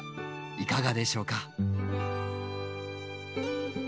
いかがでしょうか？